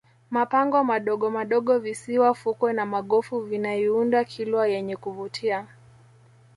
mapango madogomadogo visiwa fukwe na magofu vinaiunda kilwa yenye kuvutia